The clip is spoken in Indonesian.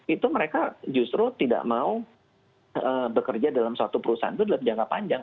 itu mereka justru tidak mau bekerja dalam suatu perusahaan itu dalam jangka panjang